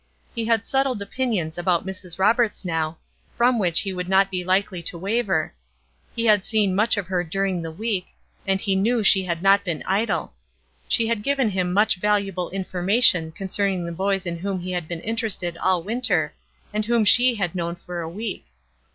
He had settled opinions about Mrs. Roberts now, from which he would not be likely to waver. He had seen much of her during the week, and he knew she had not been idle. She had given him much valuable information concerning the boys in whom he had been interested all winter; and whom she had known for a week.